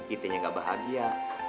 itinya gak bahagia